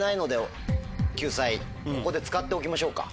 ここで使っておきましょうか。